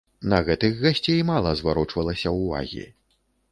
На гэтых гасцей мала зварочвалася ўвагі.